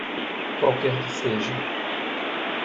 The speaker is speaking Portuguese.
Qualquer que seja.